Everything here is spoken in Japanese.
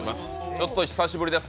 ちょっと久しぶりです。